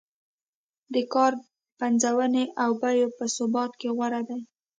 د کار پنځونې او بیو په ثبات کې غوره دی.